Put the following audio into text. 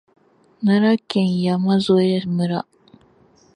奈良県山添村